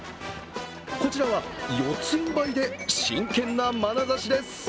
こちらは四つんばいで真剣なまなざしです。